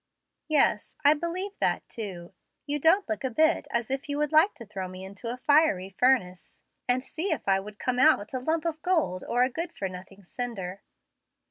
"Yes, I believe that, too. You don't look a bit as if you would like to throw me into a fiery furnace, and see if I would come out a lump of gold or a good for nothing cinder."